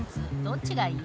どっちがいい？」